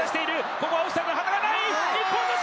ここはオフサイド、旗がない！